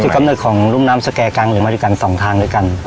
กำเนิดของรุ่มน้ำสแก่กังหรือมาด้วยกันสองทางด้วยกัน